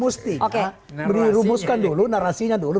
mesti dirumuskan dulu narasinya dulu